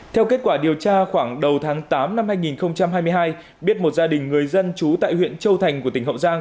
theo kết quả điều tra khoảng đầu tháng tám năm hai nghìn hai mươi hai biết một gia đình người dân trú tại huyện châu thành của tỉnh hậu giang